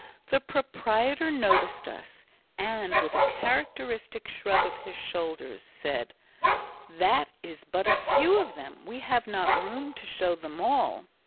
The proprietor noticed us and, with a characteristic shrug of his shoulders, said: "That is but a few of them. We have not room to show them all."